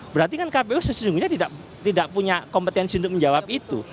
berarti kan kpu sesungguhnya tidak punya kompetensi untuk menjawab itu